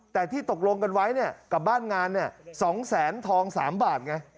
แต่ที่ตกลงกันไว้กับบ้านงาน๒แสนทอง๓บาทไง